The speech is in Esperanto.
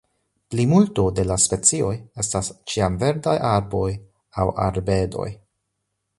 Plimulto de la specioj estas ĉiamverdaj arboj aŭ arbedoj.